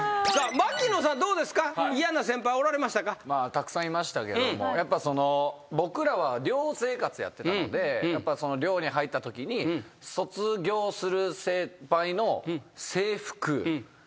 たくさんいましたけどもやっぱ僕らは寮生活やってたので寮に入ったときに卒業する先輩の制服体操服を買う。